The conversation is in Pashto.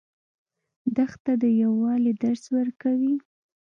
دښته د یووالي درس ورکوي.